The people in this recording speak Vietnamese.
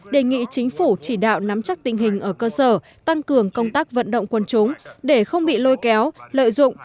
đề nghị chính phủ chỉ đạo nắm chắc tình hình ở cơ sở tăng cường công tác vận động quân chúng để không bị lôi kéo lợi dụng